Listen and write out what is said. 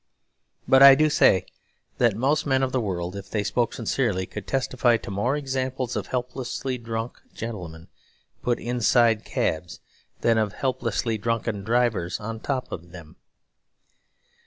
But I do say that most men of the world, if they spoke sincerely, could testify to more examples of helplessly drunken gentlemen put inside cabs than of helplessly drunken drivers on top of them.